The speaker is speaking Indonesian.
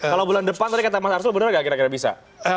kalau bulan depan tadi kata mas arsul benar gak kira kira bisa